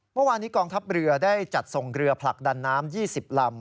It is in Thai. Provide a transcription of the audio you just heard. เมื่อวานนี้กองทัพเรือได้จัดส่งเรือผลักดันน้ำ๒๐ลำ